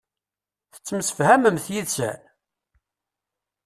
Tettemsefhamemt yid-sen?